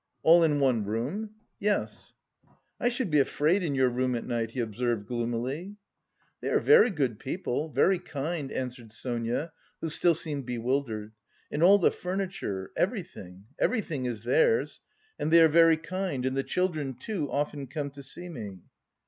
"All in one room?" "Yes." "I should be afraid in your room at night," he observed gloomily. "They are very good people, very kind," answered Sonia, who still seemed bewildered, "and all the furniture, everything... everything is theirs. And they are very kind and the children, too, often come to see me."